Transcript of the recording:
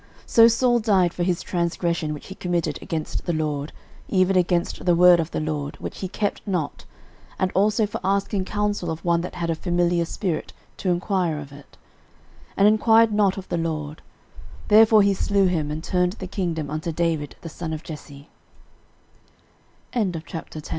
13:010:013 So Saul died for his transgression which he committed against the LORD, even against the word of the LORD, which he kept not, and also for asking counsel of one that had a familiar spirit, to enquire of it; 13:010:014 And enquired not of the LORD: therefore he slew him, and turned the kingdom unto David the son of Jes